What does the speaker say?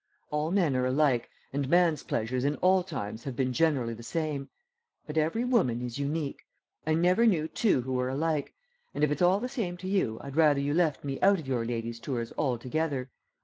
All men are alike, and man's pleasures in all times have been generally the same, but every woman is unique. I never knew two who were alike, and if it's all the same to you I'd rather you left me out of your ladies' tours altogether.